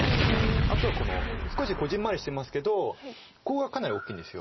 あとはこの少しこぢんまりしてますけどここがかなり大きいんです。